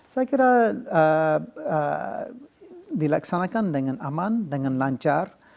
saya kira dilaksanakan dengan aman dengan lancar